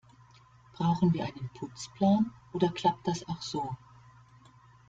Brauchen wir einen Putzplan, oder klappt das auch so?